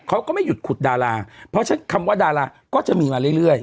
เขาก็ไม่หยุดขุดดาราเพราะฉะนั้นคำว่าดาราก็จะมีมาเรื่อย